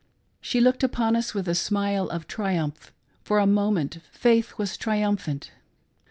She looked upon us with a smile of triumph for a moment — ^faith was triumphant.